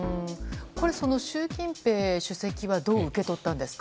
これ、習近平主席はどう受け取ったんですか？